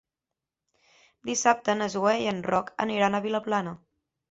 Dissabte na Zoè i en Roc aniran a Vilaplana.